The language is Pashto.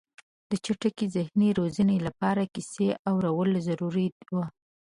د چټکې ذهني روزنې لپاره کیسه اورول ضروري وه.